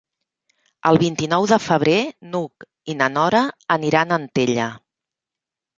El vint-i-nou de febrer n'Hug i na Nora aniran a Antella.